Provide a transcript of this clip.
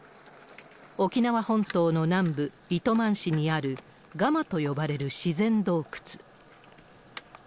沖縄本島の南部、糸満市にあるガマと呼ばれる自然洞窟。